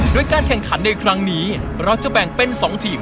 โดยการแข่งขันในครั้งนี้เราจะแบ่งเป็น๒ทีม